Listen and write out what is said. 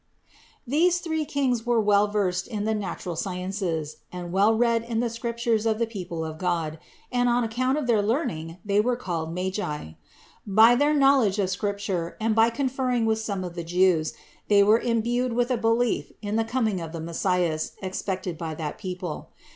These three Kings were well versed in the natural sciences, and well read in the Scriptures of the people of God; and on account of their learning they were called Magi. By their knowledge of Scripture, and by con ferring with some of the Jews, they were imbued with a belief in the coming of the Messias expected by that people.